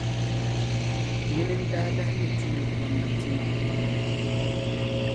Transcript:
Ŋuni n-daa lahi nyɛ tuuli gɔmnanti maa gbaŋ'ŋmara.